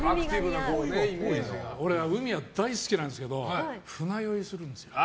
俺は、海は大好きなんですけど船酔いするんですよ。